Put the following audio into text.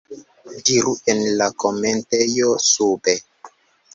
Diru en la komentejo sube.